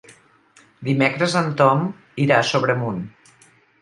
Dimecres en Tom irà a Sobremunt.